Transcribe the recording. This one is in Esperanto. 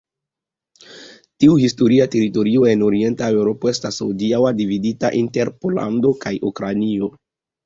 Tiu historia teritorio en Orienta Eŭropo estas hodiaŭ dividita inter Pollando kaj Ukrainio.